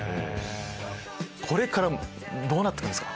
これからどうなってくんすか？